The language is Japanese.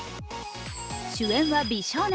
主演は美少年。